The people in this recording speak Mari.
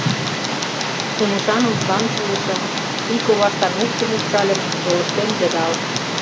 Тумышан ужгам чийышым, пий коваштан упшым упшальым, йолыштем йыдал.